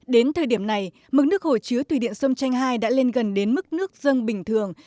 đến thời điểm này mức nước hồ chứa thủy điện sông chanh hai đã lên gần đến mức nước dân bình thường